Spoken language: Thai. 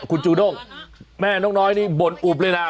คุณจูด้งแม่นกน้อยนี่บ่นอุบเลยนะ